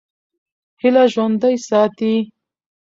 هیله ژوندۍ ساتئ.